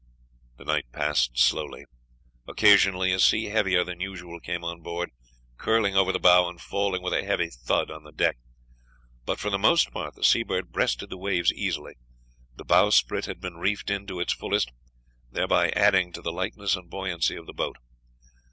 The night passed slowly. Occasionally a sea heavier than usual came on board, curling over the bow and falling with a heavy thud on the deck, but for the most part the Seabird breasted the waves easily; the bowsprit had been reefed in to its fullest, thereby adding to the lightness and buoyancy of the boat.